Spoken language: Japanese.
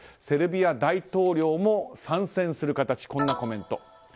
セルビア大統領も参戦する形でこんなコメント。